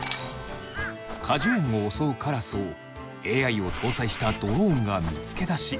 果樹園を襲うカラスをＡＩを搭載したドローンが見つけ出し